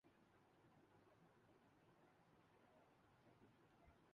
رکھنے والے حلقے یہ تاثر پھیلا رہے ہیں کہ اعلی